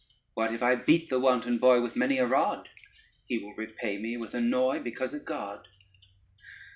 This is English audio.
What if I beat the wanton boy With many a rod? He will repay me with annoy, Because a God.